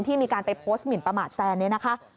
มีการไปโพสต์หมินประมาทแซนเนี่ยนะคะ